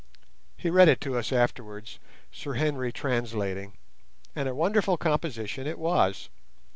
He read it to us afterwards, Sir Henry translating, and a wonderful composition it was.